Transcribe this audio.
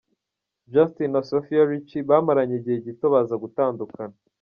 Justin na Sofia Richie bamaranye igihe gito baza gutandukana.